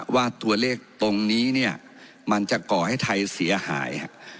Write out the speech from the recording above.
ว่าตัวเลขตรงนี้เนี่ยมันจะก่อให้ไทยเสียหาย